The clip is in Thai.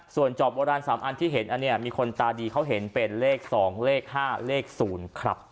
ส่วนจอบโบราณ๓อันที่เห็นอันนี้มีคนตาดีเขาเห็นเป็นเลข๒เลข๕เลข๐ครับ